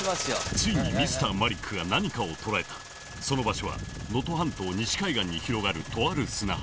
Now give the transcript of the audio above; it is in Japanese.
ついにＭｒ．マリックが何かを捉えたその場所は能登半島西海岸に広がるとある砂浜